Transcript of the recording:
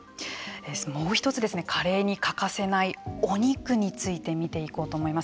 もう一つカレーに欠かせないお肉について見ていこうと思います。